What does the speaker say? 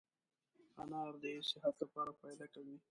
انار دي صحت لپاره فایده کوي